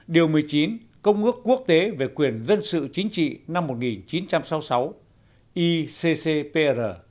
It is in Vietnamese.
điều một mươi chín công ước quốc tế về quyền dân sự chính trị năm một nghìn chín trăm sáu mươi sáu iccpr